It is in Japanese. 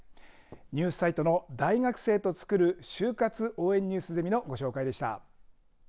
ニュースサイトの大学生とつくる就活応援ニュースゼミのご紹介でした。